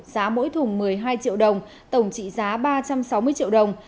giá mỗi thùng một mươi hai triệu đồng tổng trị giá ba trăm sáu mươi triệu đồng